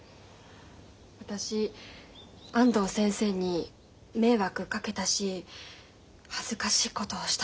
私安藤先生に迷惑かけたし恥ずかしいことをしたと思ってます。